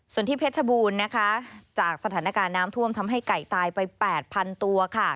ส่วนที่เพชรบูรณ์นะคะจากสถานการณ์น้ำท่วมทำให้ไก่ตายไป๘๐๐๐ตัวค่ะ